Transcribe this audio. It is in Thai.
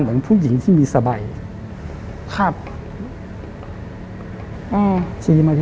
จริงมั้ยที่เราอ่ะ